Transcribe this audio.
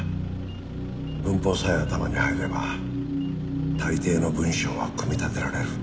文法さえ頭に入れば大抵の文章は組み立てられる。